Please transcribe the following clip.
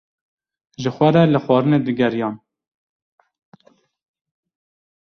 Ji xwe re li xwarinê digeriyan.